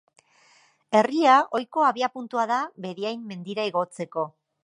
Herria ohiko abiapuntua da Beriain mendira igotzeko.